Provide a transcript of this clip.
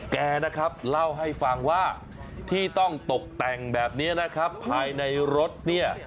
แกนะครับเล่าให้ฟังว่าที่ต้องตกแต่งแบบนี้นะครับภายในรถเนี่ย